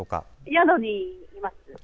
宿にいます。